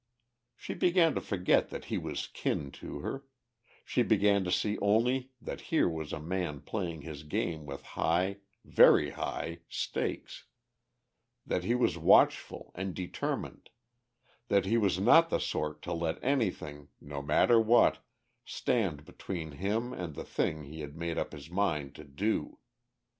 She began to forget that he was kin to her; she began to see only that here was a man playing his game with high, very high, stakes, that he was watchful and determined, that he was not the sort to let anything, no matter what, stand between him and the thing he had made up his mind to do.